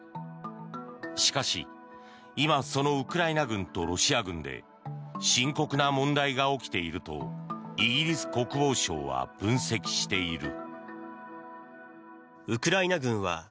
しかし、今そのウクライナ軍とロシア軍で深刻な問題が起きているとイギリス国防省は分析している。